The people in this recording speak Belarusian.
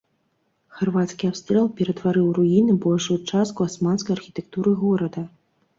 Харвацкі абстрэл ператварыў у руіны большую частка асманскай архітэктуры горада.